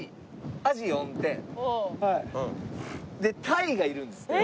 タイがいるんですって。